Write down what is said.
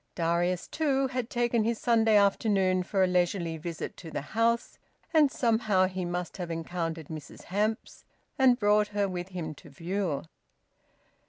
Darius too had taken his Saturday afternoon for a leisurely visit to the house, and somehow he must have encountered Mrs Hamps, and brought her with him to view.